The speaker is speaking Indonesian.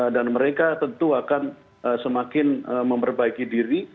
dan mereka tentu akan semakin memperbaiki diri